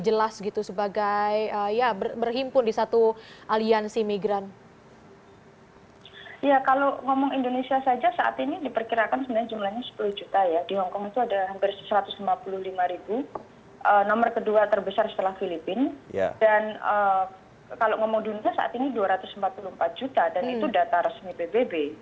dan kalau ngomong dunia saat ini dua ratus empat puluh empat juta dan itu data resmi bbb